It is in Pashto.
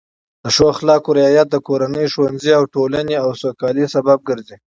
د ښو اخلاقو رعایت د کورنۍ، ښوونځي او ټولنې د سوکالۍ سبب ګرځي.